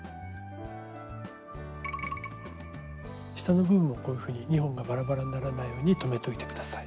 下の部分もこういうふうに２本がバラバラにならないように留めておいて下さい。